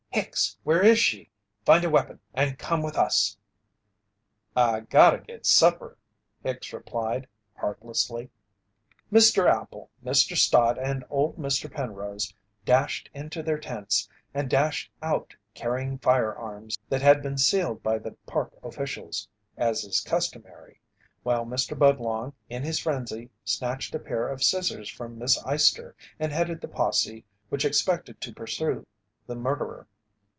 Hicks, where is she? Find a weapon and come with us!" "I gotta get supper," Hicks replied, heartlessly. Mr. Appel, Mr. Stott, and old Mr. Penrose dashed into their tents and dashed out carrying firearms that had been sealed by the Park officials, as is customary, while Mr. Budlong in his frenzy snatched a pair of scissors from Miss Eyester and headed the posse which expected to pursue the murderer.